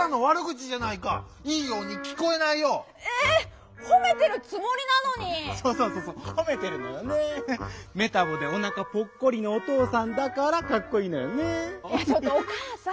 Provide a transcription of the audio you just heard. ちょっとおかあさん。